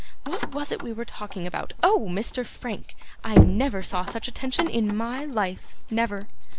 What was it we were talking about? Oh! Mr. Frank. I never saw such attention in MY life, never.